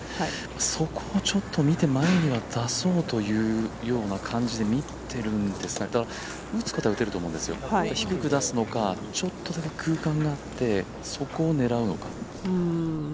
そこをちょっと見て前には出そうというような感じで見てるんですがだから、打つことは打てると思うんですよ、低く出すのか、ちょっとだけ空間があって、そこを狙うのか。